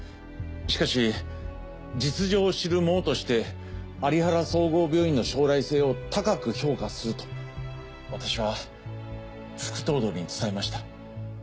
しかし実情を知る者として有原総合病院の将来性を高く評価すると私は副頭取に伝えました。